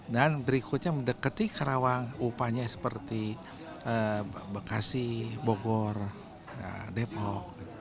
dan berikutnya mendekati karawang upahnya seperti bekasi bogor depok